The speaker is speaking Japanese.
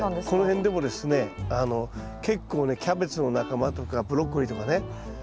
この辺でもですね結構ねキャベツの仲間とかブロッコリーとかね